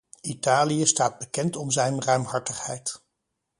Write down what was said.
Italië staat bekend om zijn ruimhartigheid.